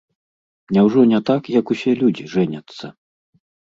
Няўжо не так, як усе людзі жэняцца?